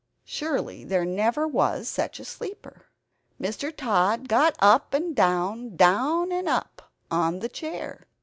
Surely there never was such a sleeper! Mr. Tod got up and down, down and up on the chair.